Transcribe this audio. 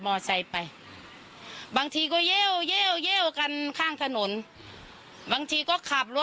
อายุ๑๐ปีนะฮะเขาบอกว่าเขาก็เห็นถูกยิงนะครับ